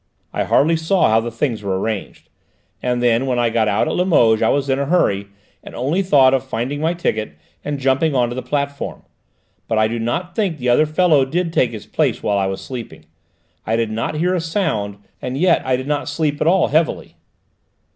I hardly saw how the things were arranged. And then, when I got out at Limoges I was in a hurry, and only thought about finding my ticket and jumping on to the platform. But I do not think the other fellow did take his place while I was asleep. I did not hear a sound, and yet I did not sleep at all heavily."